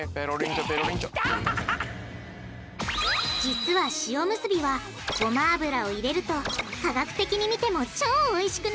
実は塩むすびはごま油を入れると科学的に見ても超おいしくなるんだ！